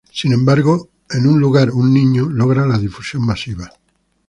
Sin embargo "En un lugar un niño" logra la difusión masiva.